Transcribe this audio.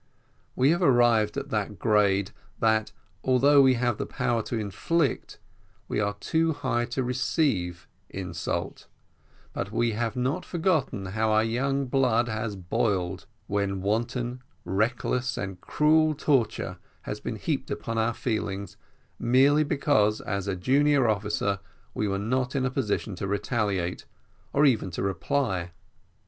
We have arrived to that grade, that, although we have the power to inflict, we are too high to receive insult, but we have not forgotten how our young blood has boiled when wanton, reckless, and cruel torture has been heaped upon our feelings, merely because, as a junior officer, we were not in a position to retaliate, or even to reply.